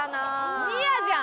ニアじゃん！